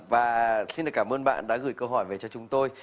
và xin cảm ơn bạn đã gửi câu hỏi về cho chúng tôi